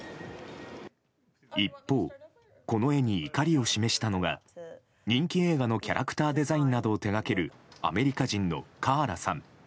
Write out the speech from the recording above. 一方、この絵に怒りを示したのは人気映画のキャラクターデザインなどを手掛けるアメリカ人のカーラさん。